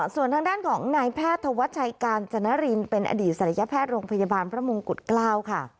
ส่วนทางด้านของนายแพทย์ธวัชชัยกาญจนรินเป็นอดีตศัลยแพทย์โรงพยาบาลพระมงกุฎเกล้าค่ะ